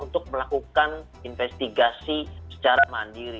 untuk melakukan investigasi secara mandiri